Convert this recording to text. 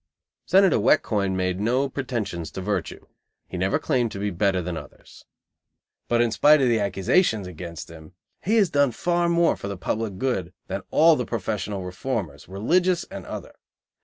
Senator Wet Coin made no pretensions to virtue; he never claimed to be better than others. But in spite of the accusations against him, he has done far more for the public good than all the professional reformers, religious and other.